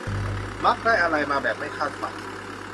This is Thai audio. มักได้อะไรมาแบบไม่คาดฝัน